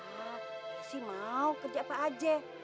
yaa mpok sih mau kerja apa aja